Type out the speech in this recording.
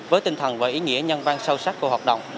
với tinh thần và ý nghĩa nhân văn sâu sắc của hoạt động